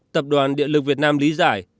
tập đoàn điện lực việt nam lý giải